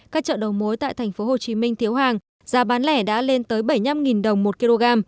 các chợ đầu mối tại tp hcm thiếu hàng giá bán lẻ đã lên tới bảy mươi năm đồng một kg